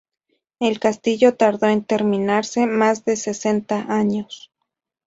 El castillo tardó en terminarse más de sesenta años.